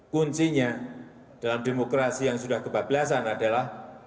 kuncinya dalam demokrasi yang sudah kebablasan adalah